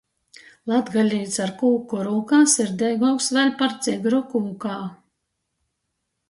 Latgalīts ar kūku rūkā sirdeiguoks vēļ par tigru kūkā!